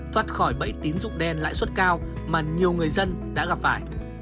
thoát khỏi bẫy tín dụng đen lãi suất cao mà nhiều người dân đã gặp phải